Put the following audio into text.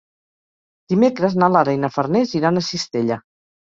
Dimecres na Lara i na Farners iran a Cistella.